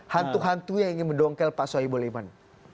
hantu hantunya yang ingin mendongkel pak soeboleman